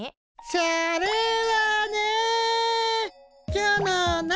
それはね。